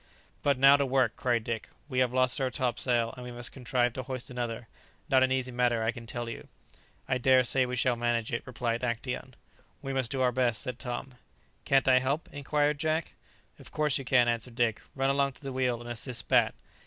"But now to work!" cried Dick; "we have lost our topsail, and we must contrive to hoist another. Not an easy matter, I can tell you." "I dare say we shall manage it," replied Actæon. "We must do our best," said Tom. "Can't I help?" inquired Jack. "Of course you can," answered Dick; "run along to the wheel, and assist Bat."